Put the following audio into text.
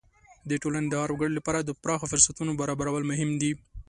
د ټولنې د هر وګړي لپاره د پراخو فرصتونو برابرول مهم دي.